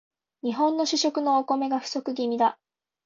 日本の主食のお米が不足気味だ